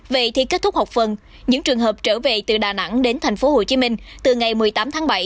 vậy thì kết thúc học phần những trường hợp trở về từ đà nẵng đến tp hcm từ ngày một mươi tám tháng bảy